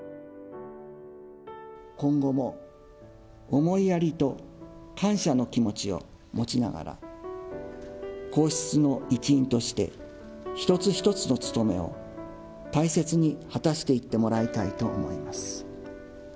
今後も、思いやりと感謝の気持ちを持ちながら、皇室の一員として、一つ一つの務めを大切に果たしていってもらいたいと思います。